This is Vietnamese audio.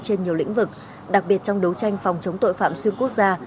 trên nhiều lĩnh vực đặc biệt trong đấu tranh phòng chống tội phạm xuyên quốc gia